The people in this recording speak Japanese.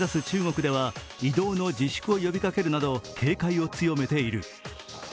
中国では移動の自粛を呼びかけるなど警戒を強めている。